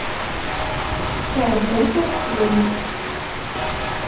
Tṛebbamt aksum.